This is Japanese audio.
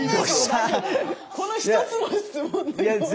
この１つの質問で。